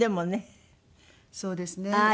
そうですね。